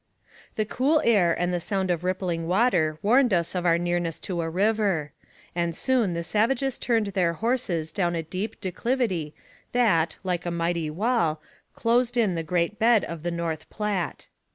The cool air and the sound of rippling water warned us of our nearness to a river ; and soon the "savages turned their horses down a steep declivity that, like a mighty wall, closed in the great bed of the North Platte.